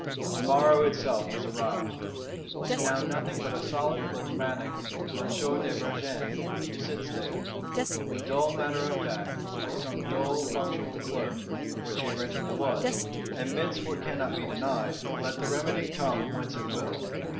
The morrow itself has arrived; and now nothing but a solid phlegmatic M. de Vergennes sits there, in dull matter of fact, like some dull punctual Clerk (which he originally was); admits what cannot be denied, let the remedy come whence it will.